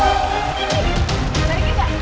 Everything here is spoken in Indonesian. aduh ada aja lagi